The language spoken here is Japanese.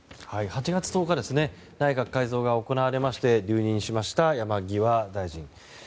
８月１０日内閣改造が行われまして留任しました、山際大臣。